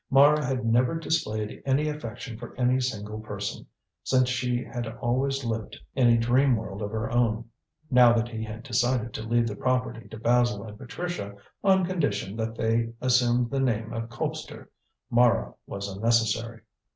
Mara had never displayed any affection for any single person, since she had always lived in a dream world of her own. Now that he had decided to leave the property to Basil and Patricia on condition that they assumed the name of Colpster, Mara was unnecessary.